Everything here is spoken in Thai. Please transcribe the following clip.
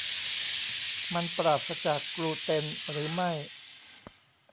มันปราศจากกลูเตนหรือไม่ ?